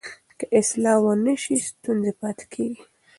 که اصلاح ونه سي ستونزې پاتې کېږي.